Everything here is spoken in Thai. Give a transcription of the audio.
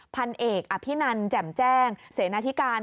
พันเอกอภินันแจ่มแจ้งเสนาธิการ